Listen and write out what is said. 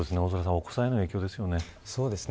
お子さんへの影響ですよね。